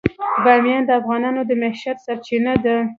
بامیان د افغانانو د معیشت سرچینه ده.